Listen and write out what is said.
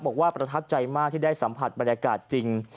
บอกว่าประทับใจมากที่ได้สัมผัสมารกาศจริง